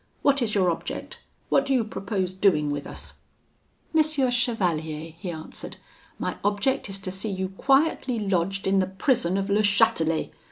What is your object? What do you purpose doing with us?' "'M. Chevalier,' he answered, 'my object is to see you quietly lodged in the prison of Le Chatelet.